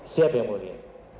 siap yang mulia